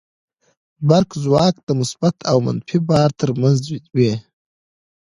برقي ځواک د مثبت او منفي بار تر منځ وي.